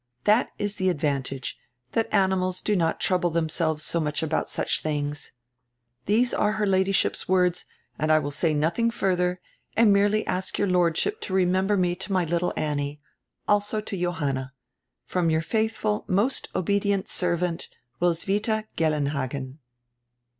That is the advantage, tiiat animals do not trouble themselves so much about such tilings.' These are her Ladyship's words and I will say nothing further, and merely ask your Lordship to remember me to my little Annie. Also to Johanna. From your faitjiful, most obedient servant, Roswitha Gellenhagen."